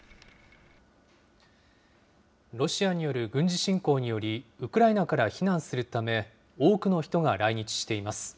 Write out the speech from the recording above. ロシアによる軍事侵攻により、ウクライナから避難するため、多くの人が来日しています。